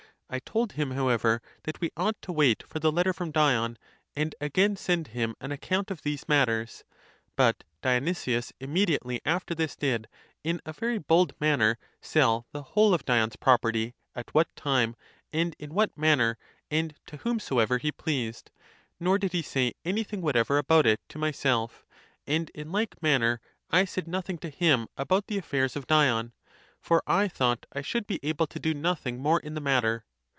I told him however, that we ought to wait for the letter from Dion, and again send him an account of these matters. But Dionysius immediately after this did, in a very bold? manner, sell the whole of Dion's property at what time, and in what manner and to whomso ever he pleased; nor did he say any thing whatever about it to myself; and in like manner I said nothing to him about the affairs of Dion; for I thought I should be able to do nothing more in the matter.